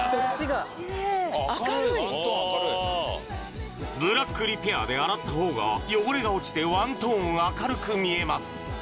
・明るいワントーン明るいブラックリペアで洗ったほうが汚れが落ちてワントーン明るく見えます